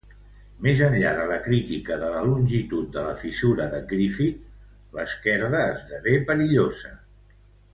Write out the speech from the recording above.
Més enllà de la crítica de la longitud de la fissura de Griffith, l'esquerda esdevé perillosa.